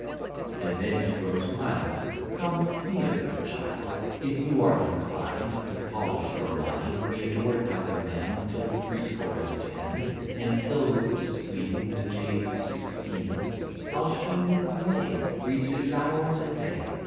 And then he grows mild: Come, be a good child: If you are inclined To polish your mind, Be adored by the men Till threescore and ten, And kill with the spleen The jades of sixteen; I'll show you the way; Read six hours a day.